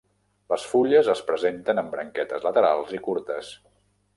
Les fulles es presenten en branquetes laterals i curtes.